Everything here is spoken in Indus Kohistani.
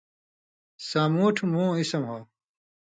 سامُوٹھوۡ مُوں اسم ہو